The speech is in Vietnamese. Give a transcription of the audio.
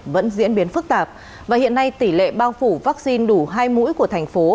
vẫn diễn biến phức tạp và hiện nay tỷ lệ bao phủ vaccine đủ hai mũi của thành phố